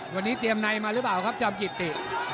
วันนี้เตรียมในมาหรือเปล่าครับจอมกิติ